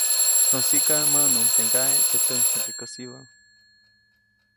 Jäsiʼka, mäʼnuʼuŋ teʼ ŋgaʼe teʼ täjkjakekäsibä.